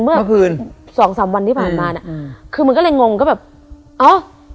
เมื่อคืนสองสามวันที่ผ่านมาเนี้ยอืมคือมันก็เลยงงก็แบบเอ้า